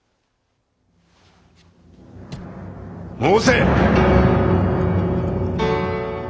申せ！